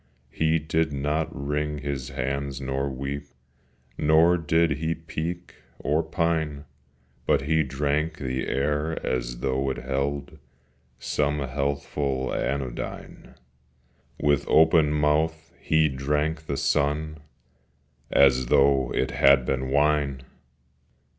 He did not wring his hands nor weep, Nor did he peek or pine, But he drank the air as though it held Some healthful anodyne; With open mouth he drank the sun As though it had been wine!